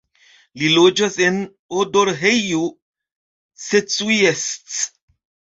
Li loĝas en Odorheiu Secuiesc.